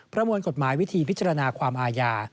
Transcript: มวลกฎหมายวิธีพิจารณาความอาญา